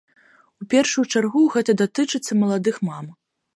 У першую чаргу, гэта датычыцца маладых мам.